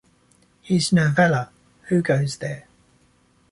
His novella Who Goes There?